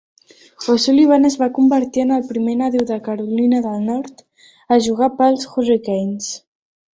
O'Sullivan es va convertir en el primer nadiu de Carolina del Nord a jugar per als Hurricanes.